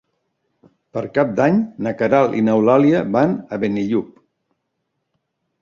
Per Cap d'Any na Queralt i n'Eulàlia van a Benillup.